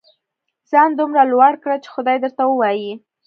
ځان دومره لوړ کړه چې خدای درته ووايي.